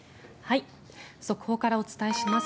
速報からお伝えします。